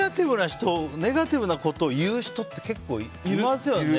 これ、ネガティブなことを言う人って結構いますよね。